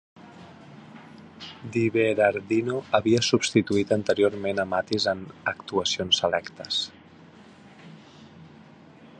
DiBerardino havia substitut anteriorment a Mathis en actuacions selectes.